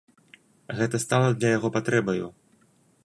Гэта стала для яго патрэбаю.